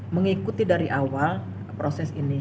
mengikuti dari awal proses ini